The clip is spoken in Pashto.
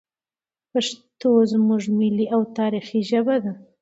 پښتو زموږ ملي او تاریخي ژبه ده.